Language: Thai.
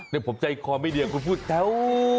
เดี๋ยวผมใจคอไม่ดีคุณพูดแถว